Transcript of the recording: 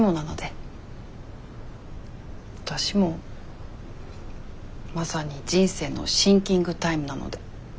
わたしもまさに人生のシンキングタイムなので。